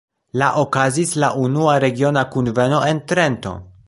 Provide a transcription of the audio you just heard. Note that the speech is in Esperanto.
La okazis la unua regiona kunveno en Trento.